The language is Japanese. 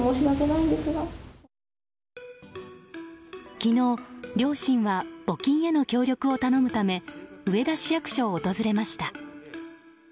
昨日、両親は募金への協力を頼むため上田市役所を訪れました。